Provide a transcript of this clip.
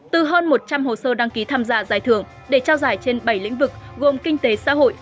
từ hơn một trăm linh hồ sơ đăng ký tham gia giải thưởng để trao giải trên bảy lĩnh vực gồm kinh tế xã hội